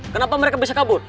kenapa mereka bisa kabur